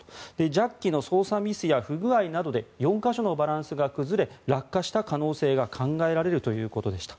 ジャッキの操作ミスや不具合などで４か所のバランスが崩れ落下した可能性が考えられるということでした。